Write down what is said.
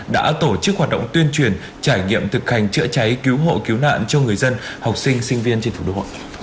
đã tổ chức hoạt động tuyên truyền trải nghiệm thực hành chữa cháy cứu hộ cứu nạn cho người dân học sinh sinh viên trên thủ đô